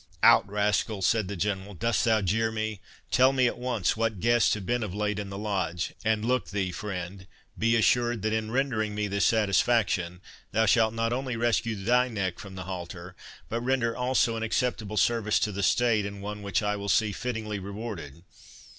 "Out, rascal!" said the General, "dost thou jeer me? Tell me at once what guests have been of late in the Lodge—and look thee, friend, be assured, that in rendering me this satisfaction, thou shalt not only rescue thy neck from the halter, but render also an acceptable service to the State, and one which I will see fittingly rewarded.